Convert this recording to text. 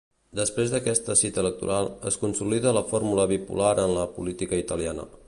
Després d'aquesta cita electoral, es consolida la fórmula bipolar en la política italiana.